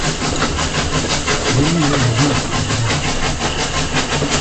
When will the winner be announced?